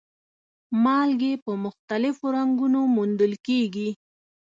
مالګې په مختلفو رنګونو موندل کیږي.